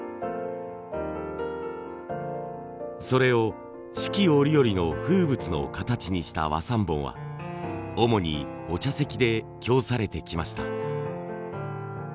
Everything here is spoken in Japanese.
それを四季折々の風物の形にした和三盆は主にお茶席で供されてきました。